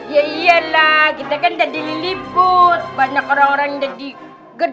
ya iyalah kita kan jadi liliput banyak orang orang jadi gede